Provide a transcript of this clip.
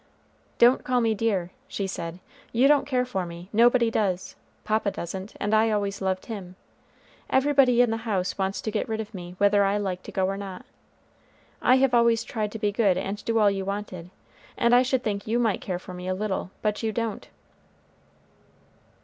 "Don't call me dear," she said; "you don't care for me, nobody does, papa doesn't, and I always loved him; everybody in the house wants to get rid of me, whether I like to go or not. I have always tried to be good and do all you wanted, and I should think you might care for me a little, but you don't."